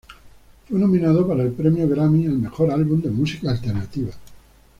Fue nominado para el Premio Grammy al Mejor Álbum de Música Alternativa.